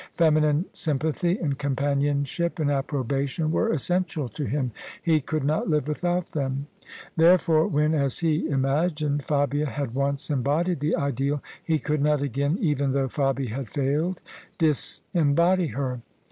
Feminine sympathy and companionship, and approbation were essential to him: he could not live without them. Therefore when — as he imag ined — ^Fabia had once embodied the Ideal, he could not again — even though Fabia had failed — disembody her.